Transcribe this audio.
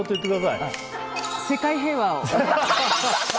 世界平和を。